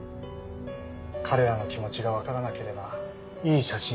彼らの気持ちがわからなければいい写真は撮れない。